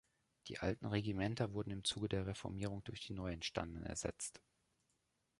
Die alten Regimenter wurden im Zuge der Reformierung durch die neuentstandenen ersetzt.